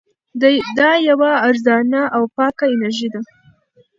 دا یوه ارزانه او پاکه انرژي ده.